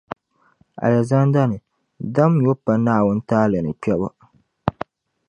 Alizandani dam nyubu pa Naawuni taali ni kpɛbu.